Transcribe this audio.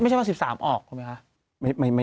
ไม่ใช่ว่า๑๓ออกหรือเปล่าคะ